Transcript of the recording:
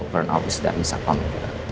pernah lebih sedang bisa mengambil dia